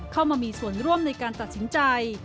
เข้ามามีส่วนร่วมในการตัดสินใจ